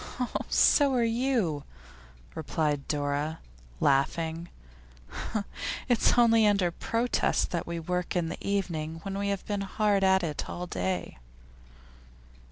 'So are you,' replied Dora, laughing. 'It's only under protest that we work in the evening when we have been hard at it all day.